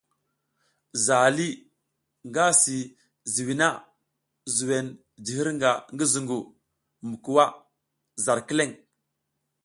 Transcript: Zaha lih nga si zǝgwi na zuwen ji hirnga ngi zungu mi kuwa zar kileŋ.